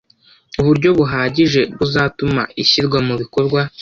uburyo buhagije buzatuma ishyirwa mu bikorwa